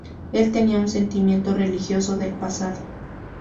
Él tenía un sentimiento religioso del pasado.